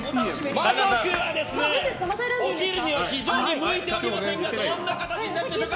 魔族は、お昼には非常に向いておりませんがどんな形になるんでしょうか。